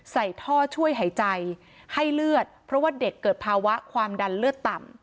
ใส่ท่อช่วยหายใจให้เลือดเพราะว่าเด็กเกิดภาวะความดันเลือดต่ำ